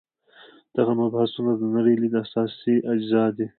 دغه مبحثونه د نړۍ لید اساسي اجزا دي.